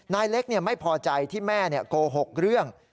นายเล็กไม่พอใจที่แม่โกหกเรื่อง